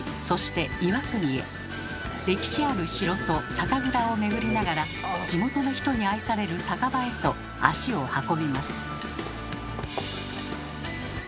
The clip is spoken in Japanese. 歴史ある城と酒蔵を巡りながら地元の人に愛される酒場へと足を運びます。